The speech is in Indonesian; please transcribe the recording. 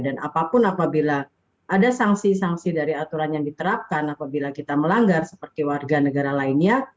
dan apapun apabila ada sanksi sanksi dari aturan yang diterapkan apabila kita melanggar seperti warga negara lainnya